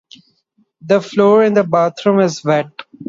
The floor in the bathroom is wet.